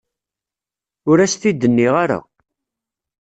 Ur as-t-id nniɣ ara.